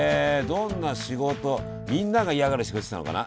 どんな仕事みんなが嫌がる仕事してたのかな？